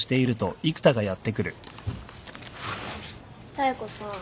妙子さん。